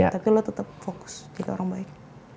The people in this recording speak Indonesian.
tapi lo tetap fokus jika orang baik